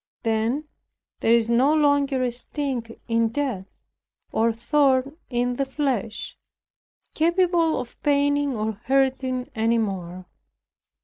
Then there is no longer a sting in death, or thorn in the flesh, capable of paining or hurting any more.